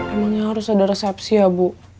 emangnya harus ada resepsi ya bu